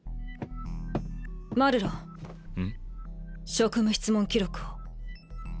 職務質問記録を。